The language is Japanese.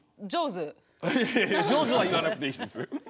いやいやいや「上手」は言わなくていいんです。